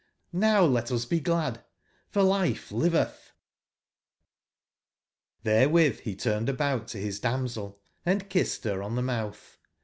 JVow let us be glad! for life livetb/' \T)SRSmXCr> be turned about to bis dam/ sel and kissed ber on tbe moutb.